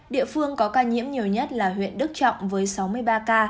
địa phương có ca nhiễm nhiều nhất là huyện đức trọng với sáu mươi ba ca